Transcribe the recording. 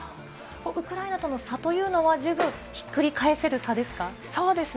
ウクライナとの差はひっくり返せる差ですか？